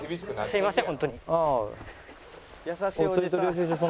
すみません。